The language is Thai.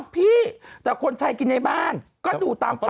พี่แต่คนไทยกินในบ้านก็ดูตามฝัน